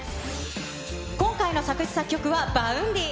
今回の作詞作曲はバウンディ。